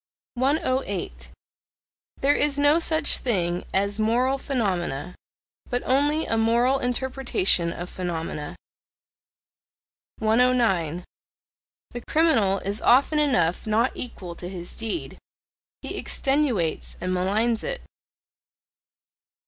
108. There is no such thing as moral phenomena, but only a moral interpretation of phenomena. 109. The criminal is often enough not equal to his deed: he extenuates and maligns it.